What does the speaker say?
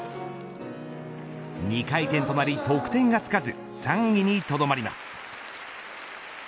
２回転となり、得点がつかず３着にとどまります。